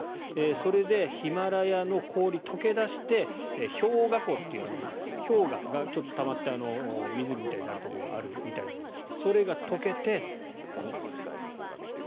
それでヒマラヤの氷が解け出して氷河湖という氷河がたまって湖みたいになるところがあるみたいなんですがそれが解けて洪水。